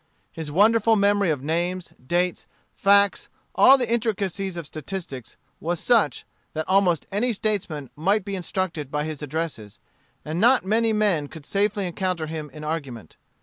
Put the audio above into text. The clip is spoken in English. His wonderful memory of names, dates, facts, all the intricacies of statistics, was such, that almost any statesman might be instructed by his addresses, and not many men could safely encounter him in argument.